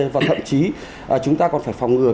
và thậm chí chúng ta còn phải phòng ngừa